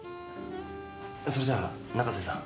それじゃあ仲瀬さん。